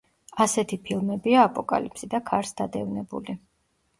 ასეთი ფილმებია აპოკალიფსი და ქარს დადევნებული.